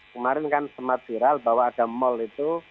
kemarin kan semad viral bahwa ada mall itu